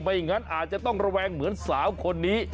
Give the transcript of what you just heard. งั้นอาจจะต้องระแวงเหมือนสาวคนนี้